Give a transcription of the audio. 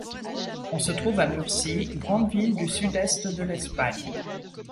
On se trouve à Murcie, grande ville du sud-est de l'Espagne.